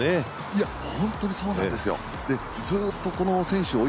いや本当にそうなんですよ。